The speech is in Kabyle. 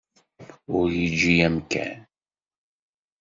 Ur yeǧǧi amkan.